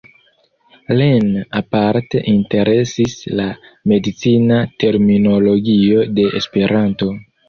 Lin aparte interesis la medicina terminologio de Esperanto.